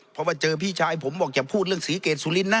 เพราะว่าเจอพี่ชายผมบอกอย่าพูดเรื่องศรีเกรดสุรินทนะ